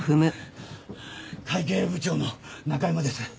会計部長の中山です。